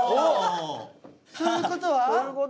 ということは。